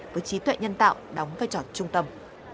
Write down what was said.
với trí tuệ nhân tạo đóng vai trò trung tâm